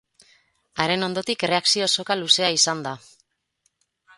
Haren ondotik, erreakzio soka luzea izan da.